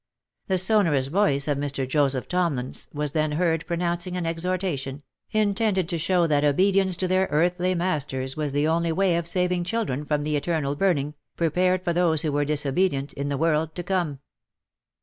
The sonorous voice of Mr. Joseph Tomlins was then heard pronouncing an exhortation, intended to show that obedience to their earthly masters was the only way of saving children from the eternal burning, prepared for those who were disobedient, in the world to come.